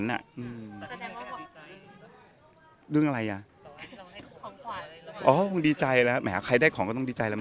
แล้วก็ไม่คงมีเคปเหมือนกับครอบครัวเลยนะครับ